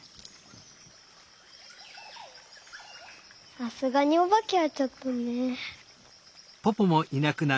さすがにおばけはちょっとね。